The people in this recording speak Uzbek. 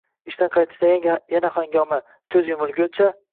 Ishdan qaytishda yana hangoma, ko`z yumilguncha